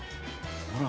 ほら！